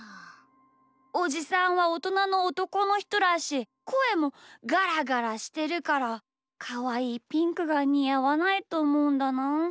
おじさんはおとなのおとこのひとだしこえもガラガラしてるからかわいいピンクがにあわないとおもうんだなあ。